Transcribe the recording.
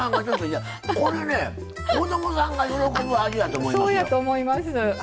これね、子供さんが喜ぶ味やと思いますよ。